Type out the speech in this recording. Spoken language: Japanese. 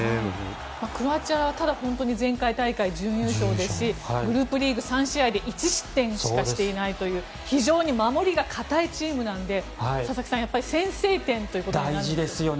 クロアチアは前回大会準優勝ですしグループリーグ３試合で１失点しかしていないという非常に守りが堅いチームなので佐々木さん、先制点ですね。